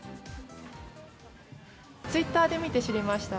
ツイッターで見て知りました。